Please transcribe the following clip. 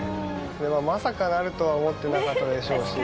でもまさかなるとは思ってなかったでしょうし。